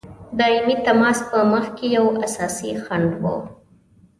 دایمي تماس په مخکي یو اساسي خنډ وو.